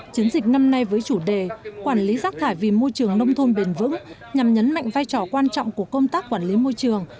chiến dịch năm nay với chủ đề quản lý rác thải vì môi trường nông thôn bền vững nhằm nhấn mạnh vai trò quan trọng của công tác quản lý môi trường